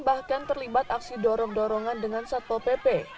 bahkan terlibat aksi dorong dorongan dengan satpol pp